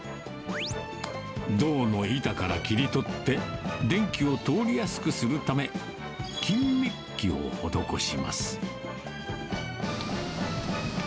銅の板から切り取って、電気を通りやすくするため、金メッキを施します。